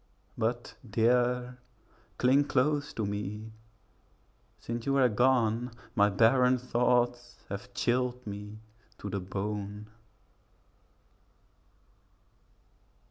But, dear, cling close to me; since you were gone, My barren thoughts have chilled me to the bone.